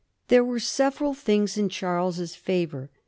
There were several things in Charles's favor.